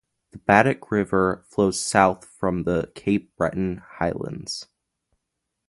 The Baddeck River flows south from the Cape Breton Highlands.